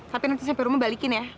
tapi nanti sampai rumah balikin ya